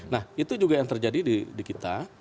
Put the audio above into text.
nah itu juga yang terjadi di kita